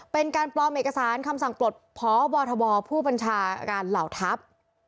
เป็นการปลอมเอกสารคำสั่งปลดพบทบผู้บัญชาการเหล่าทัพ